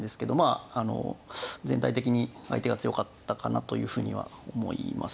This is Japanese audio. あの全体的に相手が強かったかなというふうには思います。